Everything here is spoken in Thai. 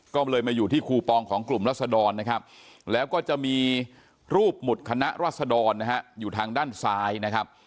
ก็เลยมาอยู่ที่คูปองของกลุ่มรัศดรนะครับแล้วก็จะมีรูปหมุดคณะรัศดรนะฮะอยู่ทางด้านซ้ายนะครับ